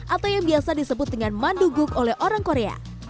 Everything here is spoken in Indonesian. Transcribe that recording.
atau yang biasa disebut dengan mandu guguk oleh orang korea